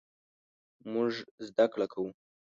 مونږ زده کړه کوو